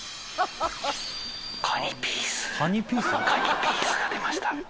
カニピースが出ました。